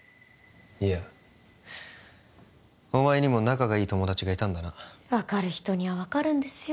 いやお前にも仲がいい友達がいたんだな分かる人には分かるんですよ